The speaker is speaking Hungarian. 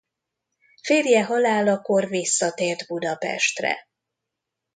Férje halálakor visszatért Budapestre.